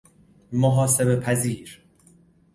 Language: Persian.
محاسبه پذیر